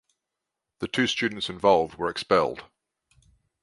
The two students involved were expelled.